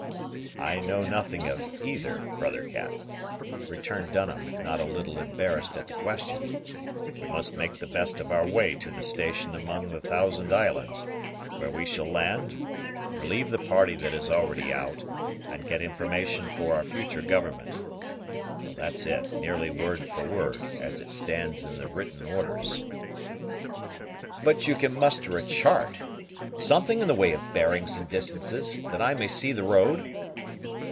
"I know nothing of either, brother Cap," returned Dunham, not a little embarrassed at the question. "We must make the best of our way to the station among the Thousand Islands, 'where we shall land, relieve the party that is already out, and get information for our future government.' That's it, nearly word for word, as it stands in the written orders." "But you can muster a chart something in the way of bearings and distances, that I may see the road?"